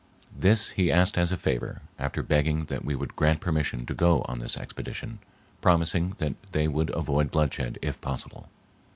This he asked as a favor, after begging that we would grant permission to go on this expedition, promising that they would avoid bloodshed if possible.